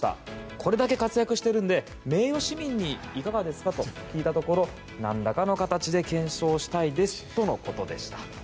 これだけ活躍しているので名誉市民にいかがですか？と聞いたところなんらかの形で顕彰したいですとのことでした。